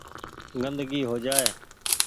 گندگي هو جآئي۔